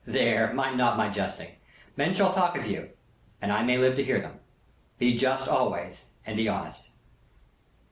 There, mind not my jesting. Men shall talk of you; and I may live to hear them. Be just always; and be honest."